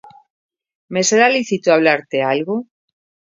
¿Me será lícito hablarte algo?